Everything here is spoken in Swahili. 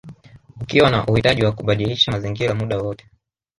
Ukiwa na uhitaji wa kubadilisha mazingira muda wowote